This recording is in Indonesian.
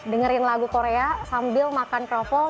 dengerin lagu korea sambil makan kroffel